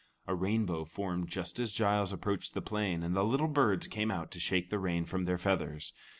A rainbow formed just as Giles approached the plain, and the little birds came out to shake the rain from their feathers.